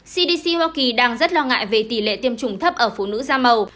cdc hoa kỳ đang rất lo ngại về tỷ lệ tiêm chủng thấp ở phụ nữ da màu